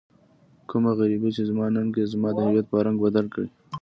کومه غريبي چې زما ننګ يې زما د هويت په رنګ بدل کړی.